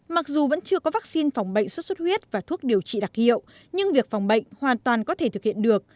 mặc dù vẫn chưa có vaccine phòng bệnh sốt xuất huyết và thuốc điều trị đặc hiệu nhưng việc phòng bệnh hoàn toàn có thể thực hiện được